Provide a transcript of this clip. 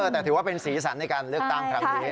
แต่ถือว่าเป็นสีสันในการเลือกตั้งครั้งนี้